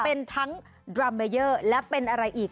เป็นทั้งดรัมเมเยอร์และเป็นอะไรอีก